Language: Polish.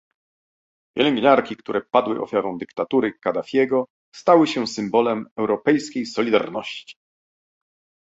Pielęgniarki, które padły ofiarą dyktatury Kaddafiego, stały się symbolem europejskiej solidarności